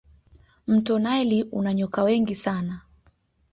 mto naili una nyoka wengi sana